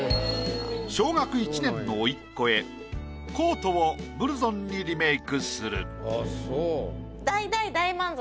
小学１年の甥っ子へコートをブルゾンにリメイクする。